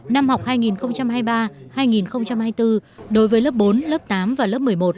năm học hai nghìn hai mươi ba hai nghìn hai mươi bốn đối với lớp bốn lớp tám và lớp một mươi một